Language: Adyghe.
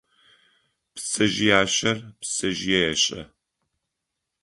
Пцэжъыяшэр пцэжъые ешэ.